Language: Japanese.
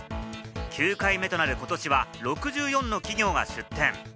９回目となる今年は６４の企業が出展。